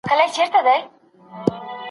د کندهار په ټولنه کي د ورورګلوۍ فضا څنګه ده؟